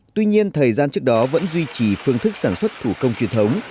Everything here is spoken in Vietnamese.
tuy nhiên thời gian trước đó vẫn duy trì phương thức sản xuất thủ công truyền thống